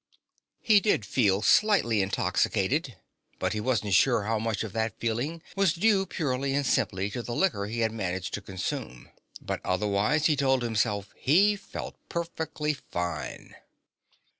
He did feel slightly intoxicated, but he wasn't sure how much of that feeling was due purely and simply to the liquor he had managed to consume. But otherwise, he told himself, he felt perfectly fine.